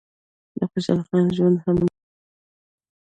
د خوشحال خان ژوند هم تاریخي دی.